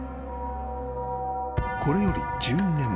［これより１２年前］